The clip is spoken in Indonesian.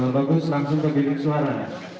langsung ke bilik suara